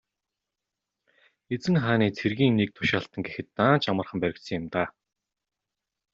Эзэн хааны цэргийн нэг тушаалтан гэхэд даанч амархан баригдсан юм даа.